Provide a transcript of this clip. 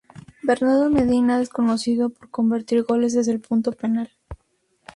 Bernardo Medina es conocido por convertir goles desde el punto penal.